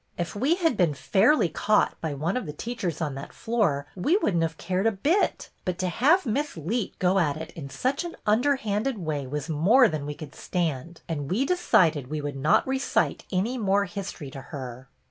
If we had been fairly caught by one of the teachers on that floor we would n't have cared a bit, but to have Miss Leet go at it in such an under handed way was more than we could stand, and we decided we would not recite any more history to her."